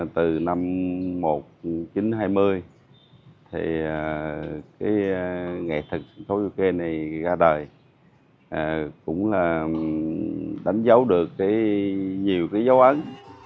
từ năm một nghìn chín trăm hai mươi nghệ thuật sân khấu du ke này ra đời cũng là đánh dấu được nhiều dấu ấn